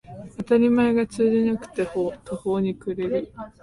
当たり前が通じなくて途方に暮れる